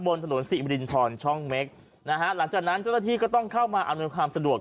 บนถนนสิมรินทรช่องเม็กนะฮะหลังจากนั้นเจ้าหน้าที่ก็ต้องเข้ามาอำนวยความสะดวก